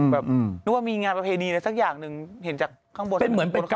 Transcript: แบบนึกว่ามีงานประเพณีอะไรสักอย่างนึงเห็นจากข้างบนเครื่องเลย